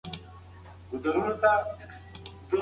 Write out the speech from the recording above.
هغه د اصفهان ښار په درې میلۍ کې خیمې ووهلې.